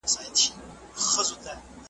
اسوېلي به زیاتي نه لرم په خوله کي ,